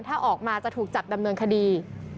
ถ้าออกมาจะถูกจับดำเนินคดี